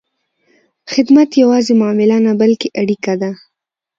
خدمت یوازې معامله نه، بلکې اړیکه ده.